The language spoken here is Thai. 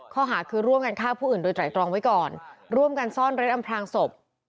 ข้อหาคือร่วมกันฆ่าผู้อื่นโดยไตรตรองไว้ก่อนร่วมกันซ่อนเร็ดอำพลางศพ